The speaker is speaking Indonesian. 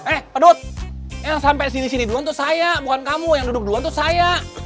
eh pedut yang sampai sini sini duluan itu saya bukan kamu yang duduk duluan itu saya